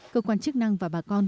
cơ quan chức năng và bà con